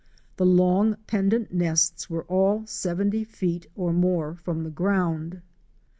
The long pendent nests were all seventy feet or more from the ground.